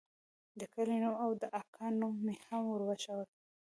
د کلي نوم او د اکا نوم مې هم وروښود.